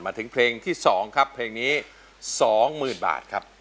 มาถึงเพลงที่สองครับเพลงนี้สองหมื่นบาทครับ